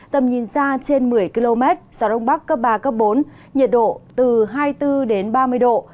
tầm nhìn ra trên một mươi km gió đông bắc cấp ba bốn nhiệt độ từ hai mươi bốn ba mươi độ